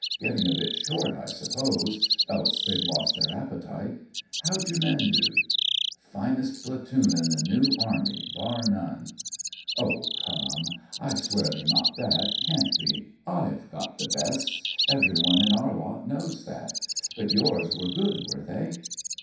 Getting a bit short, I sup pose — else they've lost their appetite. How'd your men do ?" "Finest platoon in the New Army bar none !"" Oh, come ; I swear they're not that ; can't be. I've got the best; everyone in our lot knows that. But yours were good, were they